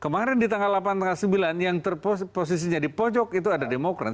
kemarin di tanggal delapan tanggal sembilan yang posisinya di pojok itu ada demokrat